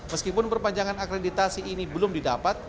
meskipun perpanjangan akreditasi ini belum didapat